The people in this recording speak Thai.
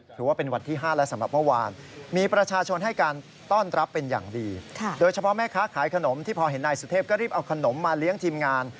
ถือว่าเป็นวันที่๕แล้วสำหรับเมื่อวาน